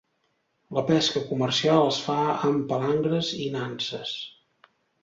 La pesca comercial es fa amb palangres i nanses.